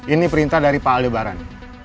ini perintah dari pak aldebaran